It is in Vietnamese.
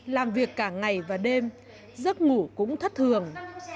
làm việc cả ngày và đêm giấc ngủ cũng thất thường